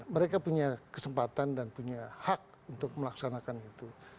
mereka punya kesempatan dan punya hak untuk melaksanakan itu